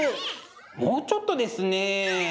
もうちょっとですね。